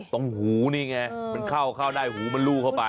ตรงหูนี่ไงมันเข้าเข้าได้หูมันลู่เข้าไป